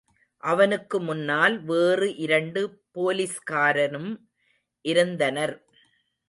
அவனுக்கு முன்னால் வேறு இரண்டு போலிஸ்காரனும் இருந்தனர்.